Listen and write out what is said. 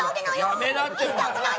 やめなって。